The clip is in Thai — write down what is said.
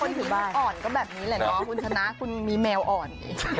ถึงลูกอ่อนก็แบบนี้แหละเนาะคุณชนะคุณมีแมวอ่อน